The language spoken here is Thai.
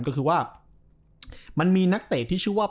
ก็คือว่ามันมีนักเตะที่ชื่อว่า